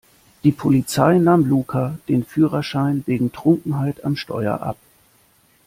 Die Polizei nahm Luca den Führerschein wegen Trunkenheit am Steuer ab.